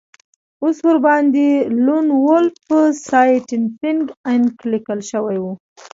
اوس ورباندې لون وولف سایینټیفیک انک لیکل شوي وو